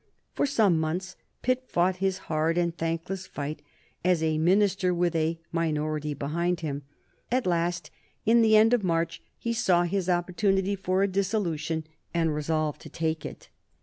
For some months Pitt fought his hard and thankless fight as a minister with a minority behind him. At last, in the end of March, he saw his opportunity for a dissolution and resolved to take it.